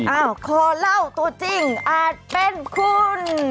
คอเล่าตัวจริงอาจเป็นคุณ